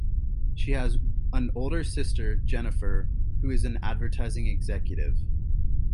She has an older sister, Jennifer, who is an advertising executive.